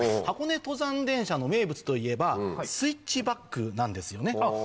箱根登山電車の名物といえばスイッチバックなんですよね。